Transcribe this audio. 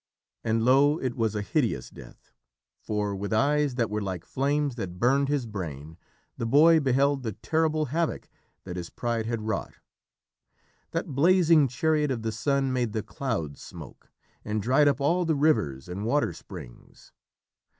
And, lo, it was a hideous death, for with eyes that were like flames that burned his brain, the boy beheld the terrible havoc that his pride had wrought. That blazing chariot of the Sun made the clouds smoke, and dried up all the rivers and water springs.